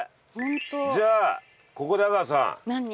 じゃあここで阿川さん。何？